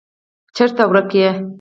چیرته ورک یې.